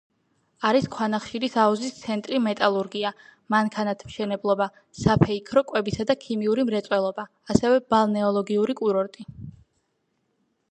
არის ქვანახშირის აუზის ცენტრი, მეტალურგია, მანქანათმშენებლობა, საფეიქრო, კვებისა და ქიმიური მრეწველობა, ასევე ბალნეოლოგიური კურორტი.